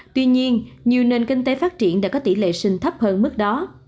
tuy nhiên nhiều nền kinh tế phát triển đã có tỷ lệ sinh thấp hơn mức đó